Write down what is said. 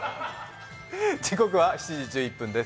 時刻は７時１１分です。